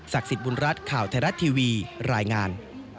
สิทธิ์บุญรัฐข่าวไทยรัฐทีวีรายงาน